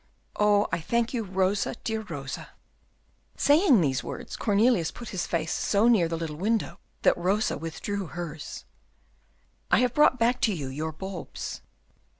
"Oh, I thank you, Rosa, dear Rosa." Saying these words, Cornelius put his face so near the little window that Rosa withdrew hers. "I have brought back to you your bulbs."